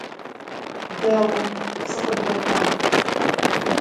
Değu, sıkhıbdek'on.